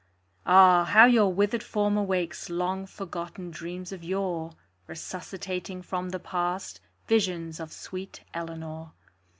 Ah, how your withered form awakes Long forgotten dreams of yore Resuscitating from the past Visions of sweet Eleanor!